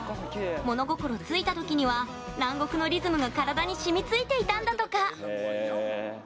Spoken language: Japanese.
物心ついたときには南国のリズムが体に染みついていたんだとか。